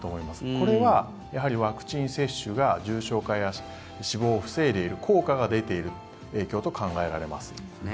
これはやはりワクチン接種が重症化や死亡を防いでいる効果が出ている影響と考えられます。